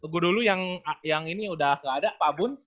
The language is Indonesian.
gue dulu yang ini udah gak ada pak bun